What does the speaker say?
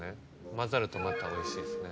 混ざるとまたおいしいんですね。